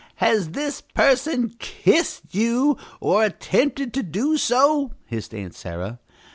"Has this person kissed you, or attempted to do so?" hissed Aunt Sarah.